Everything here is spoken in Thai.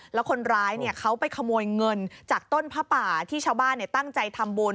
แล้วคนร้ายเขาไปขโมยเงินจากต้นผ้าป่าที่ชาวบ้านตั้งใจทำบุญ